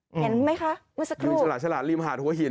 เห็นไหมคะเมื่อสักครู่คือฉลาดฉลาดริมหาดหัวหิน